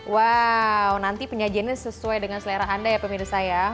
wow nanti penyajiannya sesuai dengan selera anda ya pemirsa ya